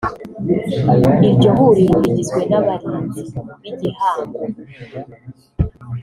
Iryo huriro rigizwe n’abarinzi b’igihango